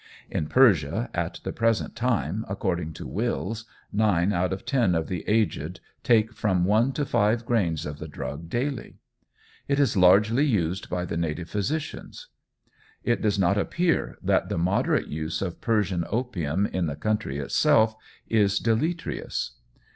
In Persia, at the present time, according to Wills, nine out of ten of the aged, take from one to five grains of the drug daily. It is largely used by the native physicians. It does not appear that the moderate use of Persian opium in the country itself, is deleterious.